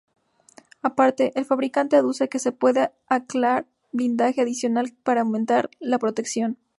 Aparte, el fabricante aduce que se puede anclar blindaje adicional para aumentar la protección.